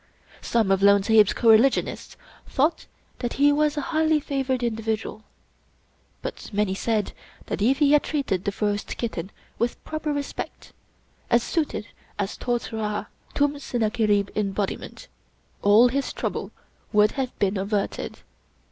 Some of Lone Sahib's coreligionists thought that he was a highly favored individual; but many said that if he had treated the first kitten with proper respect — as suited a Toth Ra Tum Sennacherib Embodiment — all his trouble would have been averted.